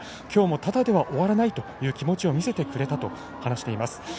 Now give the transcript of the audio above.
きょうもタダでは終わらないという気持ちを見せてくれたと話しています。